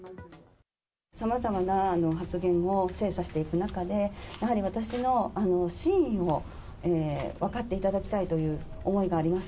さまざまな発言を精査していく中で、やはり私の真意を分かっていただきたいという思いがあります。